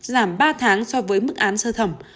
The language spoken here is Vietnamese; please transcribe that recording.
giảm ba tháng so với mức án sơ thẩm